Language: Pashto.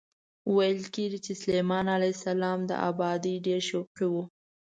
ویل کېږي چې سلیمان علیه السلام د ابادۍ ډېر شوقي و.